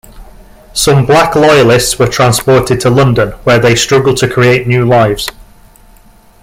Some Black Loyalists were transported to London, where they struggled to create new lives.